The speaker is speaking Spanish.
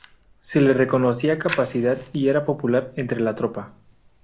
Se le reconocía capacidad y era popular entre la tropa.